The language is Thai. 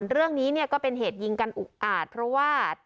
เรื่องนี้เนี่ยก็เป็นเหตุยิงกันอุกอาจเพราะว่า